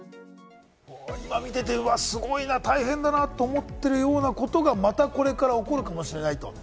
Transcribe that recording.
今、見てて、すごいな、大変だなと思っているようなことが、またこれからも起こるかもしれないと。